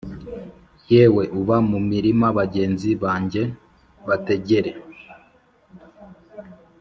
Yewe uba mu mirima Bagenzi banjye bategere